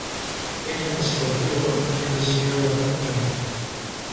أين أستطيع أن أجد سيارة أجرة؟